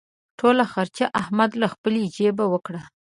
ټوله خرچه احمد له خپلې جېبه وکړه.